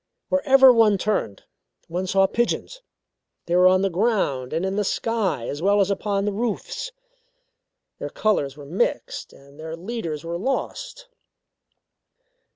Wherever one turned, one saw pigeons. They were on the ground and in the sky, as well as upon the roofs. Their colours were mixed, and their leaders were lost.